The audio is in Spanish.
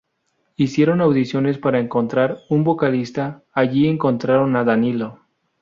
Hicieron audiciones para encontrar un vocalista, allí encontraron a Danilo.